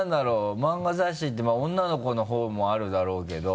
マンガ雑誌って女の子のほうもあるだろうけど。